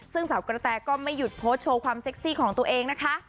ซึ่งสาวกระแตก็ไม่หยุดโพสต์โชว์ความเซ็กซี่ของตัวเองนะคะ